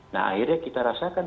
nah akhirnya kita rasakan